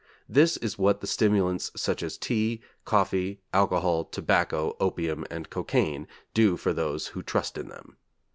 This is what the stimulants such as tea, coffee, alcohol, tobacco, opium and cocaine do for those who trust in them.'